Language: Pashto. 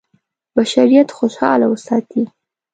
بشریت خوشاله وساتي.